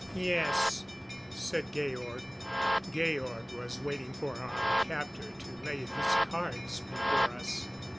"Yes," said Georg. Georg was waiting for our captor to lay his cards before us.